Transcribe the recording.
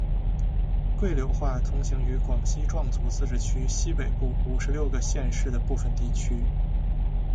桂柳话通行于广西壮族自治区西北部五十六个县市的部分地区。